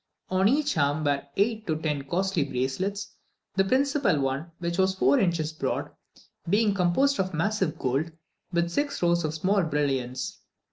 On each arm were eight or ten costly bracelets; the principal one, which was four inches broad, being composed of massive gold, with six rows of small brilliants.